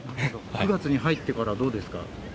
９月に入ってからはどうですか？